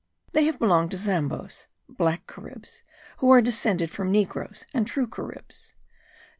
They have belonged to Zambos (black Caribs) who are descended from Negroes and true Caribs.